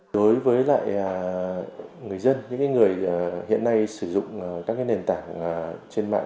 đối với lại người dân những người hiện nay sử dụng các nền tảng trên mạng